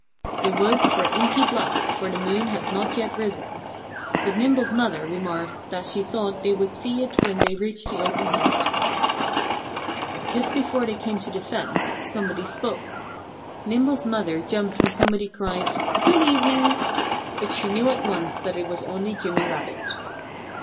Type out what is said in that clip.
The woods were inky black, for the moon had not yet risen. But Nimble's mother remarked that she thought they would see it when they reached the open hillside. Just before they came to the fence somebody spoke. Nimble's mother jumped when somebody cried, "Good evening!" But she knew at once that it was only Jimmy Rabbit.